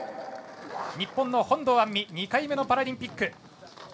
日本の本堂杏実２回目のパラリンピック。